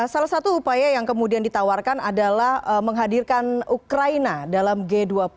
salah satu upaya yang kemudian ditawarkan adalah menghadirkan ukraina dalam g dua puluh